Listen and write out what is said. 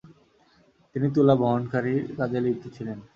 তিনি তুলা বহনকারীর কাজে লিপ্ত ছিলেন।